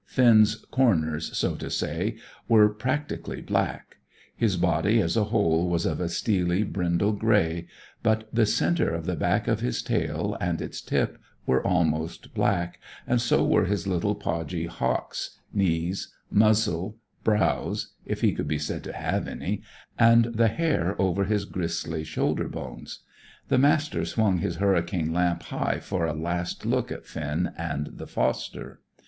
Finn's corners, so to say, were practically black. His body, as a whole, was of a steely, brindle grey, but the centre of the back of his tail and its tip were almost black, and so were his little podgy hocks, knees, muzzle, brows (if he could be said to have any) and the hair over his gristly shoulder bones. The Master swung his hurricane lamp high for a last look at Finn and the foster.